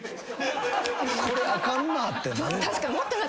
これあかんなって何？